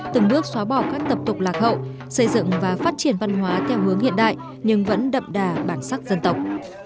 từng bước xóa bỏ các tập tục lạc hậu xây dựng và phát triển văn hóa theo hướng hiện đại nhưng vẫn đậm đà bản sắc dân tộc